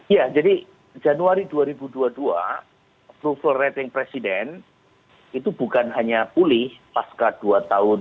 ya jadi januari dua ribu dua puluh dua approval rating presiden itu bukan hanya pulih pasca dua tahun